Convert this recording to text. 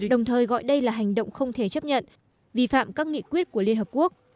đồng thời gọi đây là hành động không thể chấp nhận vi phạm các nghị quyết của liên hợp quốc